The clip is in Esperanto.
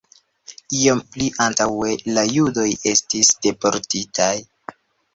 Iom pli antaŭe la judoj estis deportitaj.